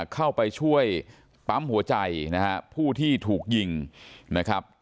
เข้าไปช่วยปั๊มหัวใจนะฮะผู้ที่ถูกยิงนะครับ